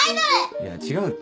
いや違うって。